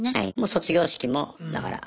卒業式もだから。